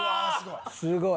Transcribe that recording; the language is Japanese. すごい。